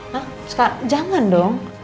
hah sekarang jangan dong